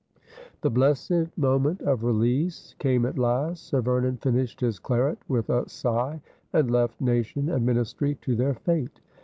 The blessed moment of release came at last. Sir Vernon finished his claret with a sigh, and left nation and ministry to their fate.